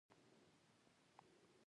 د ماشومانو استحصال تر ټولو لوی جرم دی!